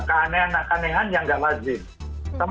keanehan kanehan yang tidak lazim